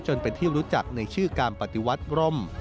จนเป็นที่รู้จักในชื่อการปฏิวัติร่ม